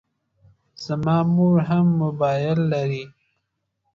زما مور هم موبایل لري.